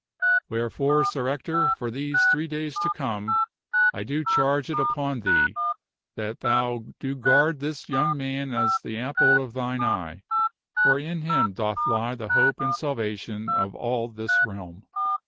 Wherefore, Sir Ector, for these three days to come, I do charge it upon thee that thou do guard this young man as the apple of thine eye, for in him doth lie the hope and salvation of all this realm."